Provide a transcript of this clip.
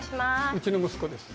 うちの息子です。